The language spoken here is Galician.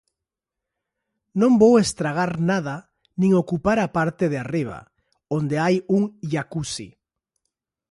Non vou estragar nada nin ocupar a parte de arriba, onde hai un jacuzzi.